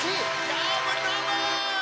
どーもどーも！